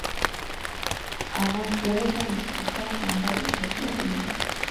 aah kuweka mipaka ambayo itakuwa ina